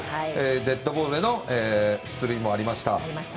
デッドボールでの出塁もありました。